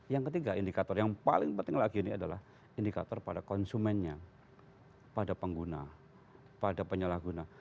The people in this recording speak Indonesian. yang ketiga indikator yang paling penting lagi ini adalah indikator pada konsumennya pada pengguna pada penyalahguna